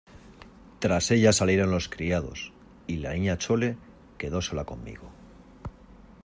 tras ella salieron los criados, y la Niña Chole quedó sola conmigo.